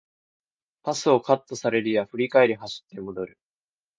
パスをカットされるや振り返り走って戻る